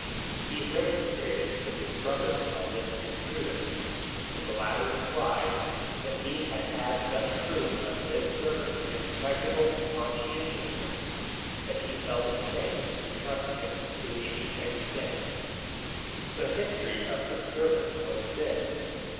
He remonstrated with his brother on this imprudence; but the latter replied that he had had such proof of this servant's impregnable conscientiousness that he felt it safe to trust him to any extent. The history of the servant was this.